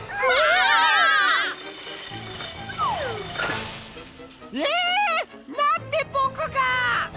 あぷ！え！？なんでぼくが！？